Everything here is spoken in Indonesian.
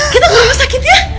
kita ke rumah sakit ya